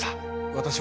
私は。